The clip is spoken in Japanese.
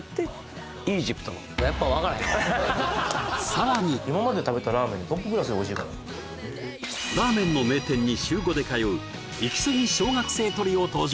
さらに今まで食べたラーメンでトップクラスでおいしいこれラーメンの名店に週５で通うイキスギ小学生トリオ登場！